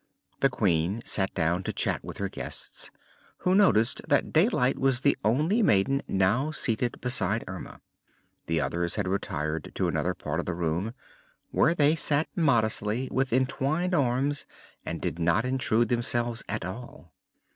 The Queen sat down to chat with her guests, who noticed that Daylight was the only maiden now seated beside Erma. The others had retired to another part of the room, where they sat modestly with entwined arms and did not intrude themselves at all.